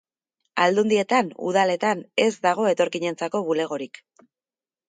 Aldundietan, udaletan, ez dago etorkinentzako bulegorik.